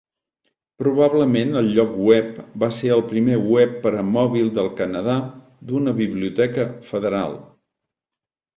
Probablement el lloc web va ser el primer web per a mòbil del Canadà d'una biblioteca federal.